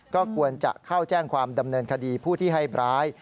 ก็ควรจะเข้าแจ้งความดำเนินคดีผู้ที่ให้ร้าย